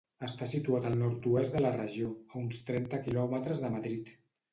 Està situat al nord-oest de la regió, a uns trenta quilòmetres de Madrid.